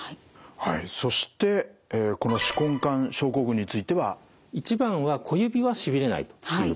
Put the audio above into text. はいそしてこの手根管症候群については。一番は小指はしびれないということですね。